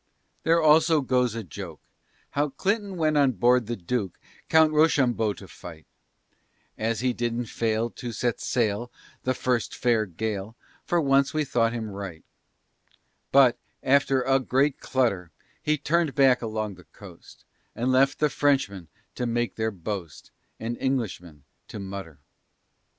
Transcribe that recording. There also goes a joke, How Clinton went on board the Duke Count Rochambeau to fight; As he didn't fail To set sail The first fair gale, For once we thought him right; But, after a great clutter, He turn'd back along the coast, And left the French to make their boast, And Englishmen to mutter.